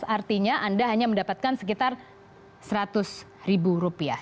artinya anda hanya mendapatkan sekitar seratus ribu rupiah